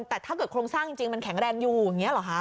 แต่ถ้าเกิดโครงสร้างจริงมันแข็งแรงอยู่อย่างนี้หรอคะ